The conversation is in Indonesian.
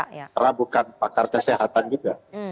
karena bukan pakar kesehatan juga